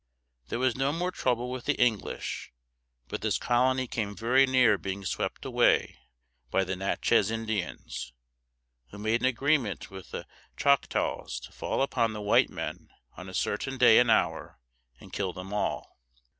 There was no more trouble with the English, but this colony came very near being swept away by the Natch´ez Indians, who made an agreement with the Choc´taws to fall upon the white men on a certain day and hour, and kill them all.